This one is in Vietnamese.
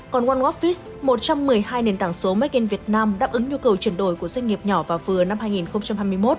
còn wan office một trăm một mươi hai nền tảng số make in việt nam đáp ứng nhu cầu chuyển đổi của doanh nghiệp nhỏ và vừa năm hai nghìn hai mươi một